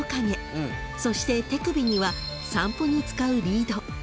［そして手首には散歩に使うリード］